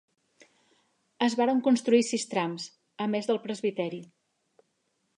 Es varen construir sis trams, a més del presbiteri.